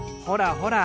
ほら